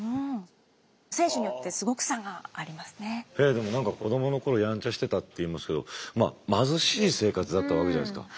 でも何か子どもの頃ヤンチャしてたっていいますけどまあ貧しい生活だったわけじゃないですか。